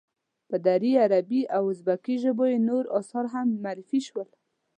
په دري، عربي او ازبکي ژبو یې نور آثار هم معرفی شول.